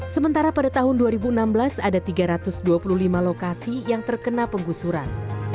sementara pada tahun dua ribu enam belas ada tiga ratus dua puluh lima lokasi yang terkena penggusuran